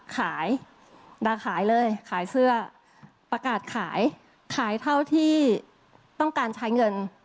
ขายแต่ขายเลยขายเสื้อประกาศขายขายเท่าที่ต้องการใช้เงิน